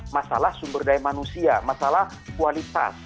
masalah sumber daya manusia masalah kualitas